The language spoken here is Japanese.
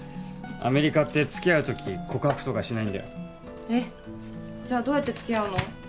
アメリカってつきあう時告白とかしないんだよえっじゃあどうやってつきあうの？